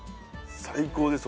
最高です